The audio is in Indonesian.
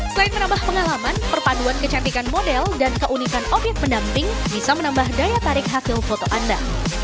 selain menambah pengalaman perpaduan kecantikan model dan keunikan obyek pendamping bisa menambah daya tarik hasil foto anda